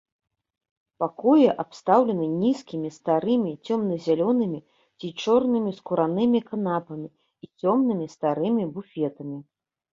Пакоі абстаўлены нізкімі старымі цёмна-зялёнымі ці чорнымі скуранымі канапамі і цёмнымі старымі буфетамі.